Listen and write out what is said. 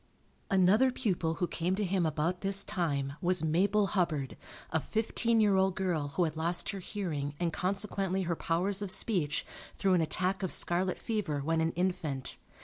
Another pupil who came to him about this time was Mabel Hubbard, a fifteen year old girl who had lost her hearing and consequently her powers of speech, through an attack of scarlet fever when an infant.